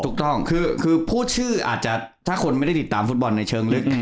ถูกต้องคือพูดชื่ออาจจะถ้าคนไม่ได้ติดตามฟุตบอลในเชิงลึก